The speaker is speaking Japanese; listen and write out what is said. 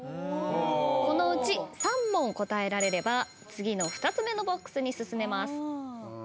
このうち３問答えられれば次の２つ目のＢＯＸに進めます。